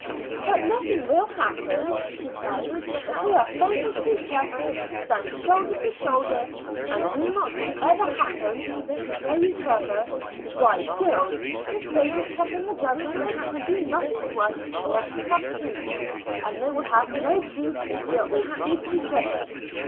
"But nothing will happen," she cried, "if we are faithful to each other, stand shoulder to shoulder, and do not whatever happens, betray each other. Why girls, Miss Ravenscroft and the governors can do nothing to us unless they have proof, and they will have no proof if we are all true to each other.